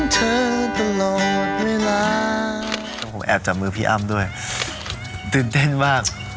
ต้องกำลังแอบจับมือพี่อัมด้วยตื่นเต้นมาก